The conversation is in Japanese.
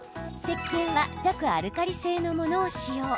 せっけんは弱アルカリ性のものを使用。